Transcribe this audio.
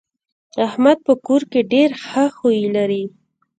احمد په کور کې ډېر ښه خوی لري.